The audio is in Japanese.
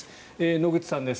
野口さんです。